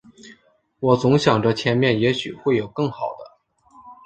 我总想着前面也许会有更好的